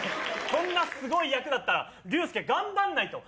こんなすごい役だったらリュウスケ頑張んないと。